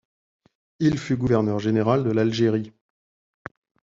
Il fut gouverneur général de l'Algérie.